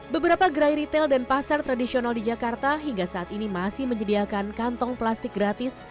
beberapa gerai retail dan pasar tradisional di jakarta hingga saat ini masih menyediakan kantong plastik gratis